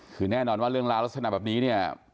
คือแน่นอนว่าเรื่องราวลักษณะแบบนี้เนี่ย